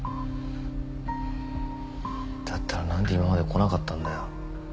だったら何で今まで来なかったんだよ。